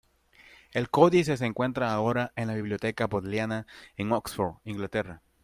El códice se encuentra ahora en la Biblioteca Bodleiana, en Oxford, Inglaterra.